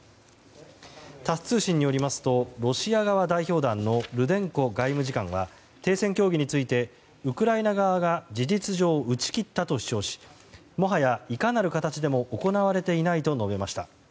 タス通信によりますとロシア側代表団のルデンコ外務次官は停戦協議についてウクライナ側が事実上打ち切ったと主張しもはや、いかなる形でも行われていないと述べました。